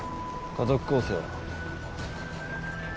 家族構成は？